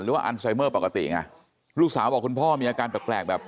หรือว่าอันไซเมอร์ปกติไงลูกสาวบอกคุณพ่อมีอาการแปลก